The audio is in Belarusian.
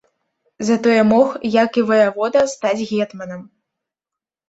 Затое мог, як і ваявода, стаць гетманам.